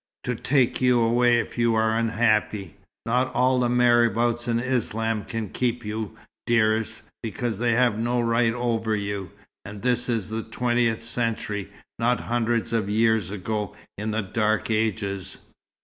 To take you away if you are unhappy. Not all the marabouts in Islam can keep you, dearest, because they have no right over you and this is the twentieth century, not hundreds of years ago, in the dark ages."